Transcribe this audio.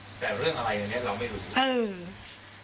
แต่เรื่องอะไรอันนี้เราไม่รู้